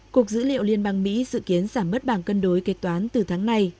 cục dữ liệu liên bang mỹ dự kiến giảm mất bảng cân đối kế toán từ tháng này